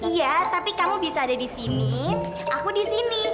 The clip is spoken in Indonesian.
iya tapi kamu bisa ada di sini aku di sini